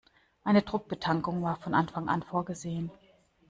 Eine Druckbetankung war von Anfang an vorgesehen.